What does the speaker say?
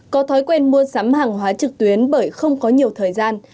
có thói quen mua sắm hàng hóa trực tuyến bởi không có nhiều thời gian